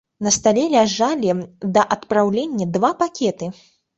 На стале ляжалі да адпраўлення два пакеты.